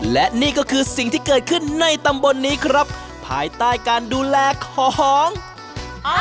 และนี่ก็คือสิ่งที่เกิดขึ้นในตำบลนี้ครับภายใต้การดูแลของอ่า